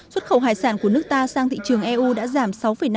xuất khẩu hải sản của nước ta sang thị trường eu đã giảm sáu năm